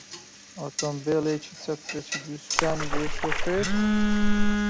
ئۆتۆمبێلێکی چەپرەکی دووسوکانی بێ شۆفێر؟